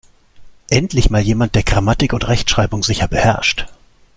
Endlich mal jemand, der Grammatik und Rechtschreibung sicher beherrscht!